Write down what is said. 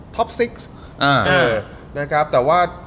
ทัพ๖นะครับแต่ว่า